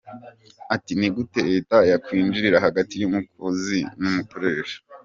Ati “Ni gute Leta yakwinjira hagati y’umukozi n’umukoresha.